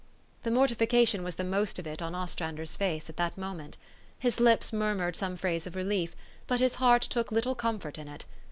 The mortification was the most of it on Ostran der' s face at that moment. His lips murmured some phrase of relief ; but his heart took little comfort in it.